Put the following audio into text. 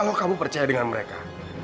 kalau kamu percaya dengan mereka